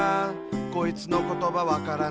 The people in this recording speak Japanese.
「こいつのことばわからない」